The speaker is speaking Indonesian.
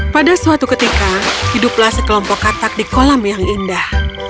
pada suatu ketika hiduplah sekelompok katak di kolam yang indah